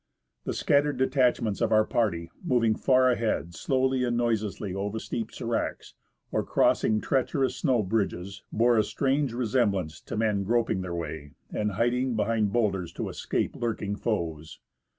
The scattered detachments of our party, moving far ahead slowly and noiselessly over steep sdracs, or crossing treacherous snow bridges, bore a strange resemblance to men groping their way, and hiding behind boulders to escape lurking foes.